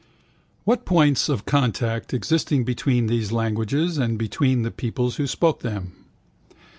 What points of contact existed between these languages and between the peoples who spoke them?